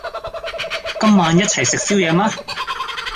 今晚一齊食宵夜嗎？